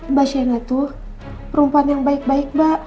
mbak sienna tuh perempuan yang baik baik mbak